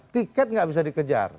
tiket nggak bisa dikejar